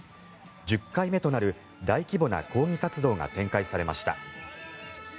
１０回目となる大規模な抗議活動が展開されました。